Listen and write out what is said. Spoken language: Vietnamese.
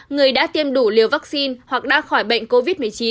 người đã tiêm đủ liều vaccine hoặc đã khỏi bệnh covid một mươi chín